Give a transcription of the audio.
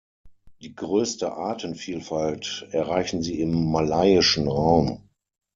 Die größte Artenvielfalt erreichen sie im malaiischen Raum.